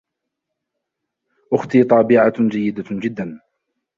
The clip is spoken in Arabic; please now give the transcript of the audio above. أُختي طابِعة جيدة جداً.